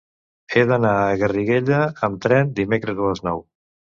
He d'anar a Garriguella amb tren dimecres a les nou.